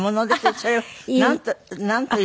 それはなんという。